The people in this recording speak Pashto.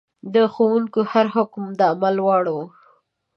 د ښوونکي هر حکم د عمل وړ و.